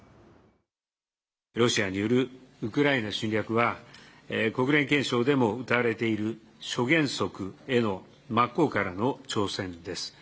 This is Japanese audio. ロシアによるウクライナ侵略は国連憲章でもうたわれている諸原則への真っ向からの挑戦です。